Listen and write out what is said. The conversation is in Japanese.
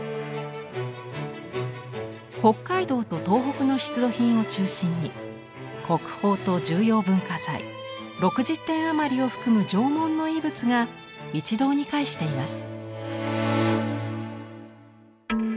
北海道と東北の出土品を中心に国宝と重要文化財６０点余りを含む縄文の遺物が一堂に会しています。